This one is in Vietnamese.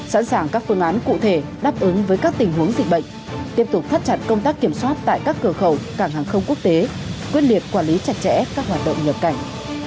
sẵn sàng các phương án cụ thể đáp ứng với các tình huống dịch bệnh tiếp tục thắt chặt công tác kiểm soát tại các cửa khẩu cảng hàng không quốc tế quyết liệt quản lý chặt chẽ các hoạt động nhập cảnh